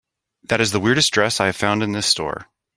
That is the weirdest dress I have found in this store.